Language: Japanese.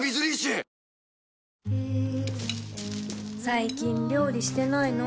最近料理してないの？